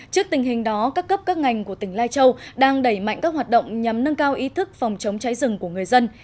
trước tình hình đó các cấp các ngành của tỉnh lai châu đang đẩy mạnh các hoạt động nhằm nâng cao ý thức phòng chống cháy rừng của người dân